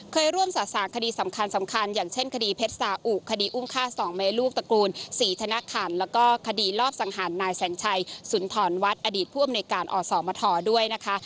เคยร่วมสะสางคดีสำคัญสำคัญอย่างเช่นคดีเพชรสาอุคดีอุ้มฆ่า๒แม่ลูกตระกูลศรีธนคันแล้วก็คดีรอบสังหารนายแสนชัยสุนทรวัฒน์อดีตผู้อำนวยการอสมทด้วยนะคะ